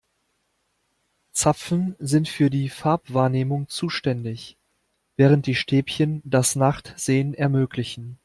Zapfen sind für die Farbwahrnehmung zuständig, während die Stäbchen das Nachtsehen ermöglichen.